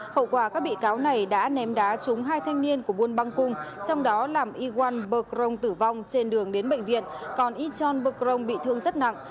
hậu quả các bị cáo này đã ném đá trúng hai thanh niên của buôn băng cung trong đó làm yiguan begrong tử vong trên đường đến bệnh viện còn yichon begrong bị thương rất nặng